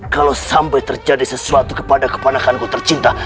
kalau sampai terjadi sesuatu kepada kepanakanku tercinta